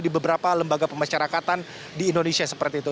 di beberapa lembaga pemasyarakatan di indonesia seperti itu